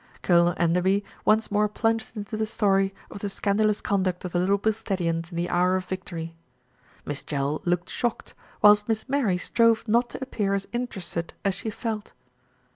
Colonel Enderby once more plunged into the story of the scandalous conduct of the Little Bilsteadians in the hour of victory. Miss Jell looked shocked, whilst Miss Mary strove not to appear as interested as she felt.